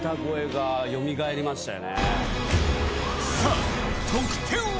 さぁ得点は？